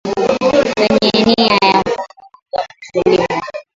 wenye nia ya kuvuruga utulivu